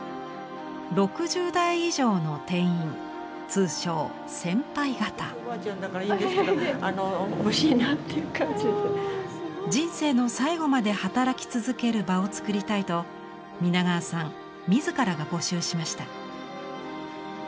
通称人生の最後まで働き続ける場をつくりたいと皆川さん自らが募集しました。